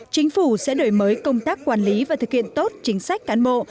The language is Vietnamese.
chính phủ sẽ đổi mới công tác quản lý và thực hiện tốt chính sách cán bộ